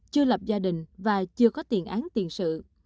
chưa lập gia đình và chưa có tiền án tiền sự